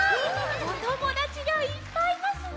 おともだちがいっぱいいますね！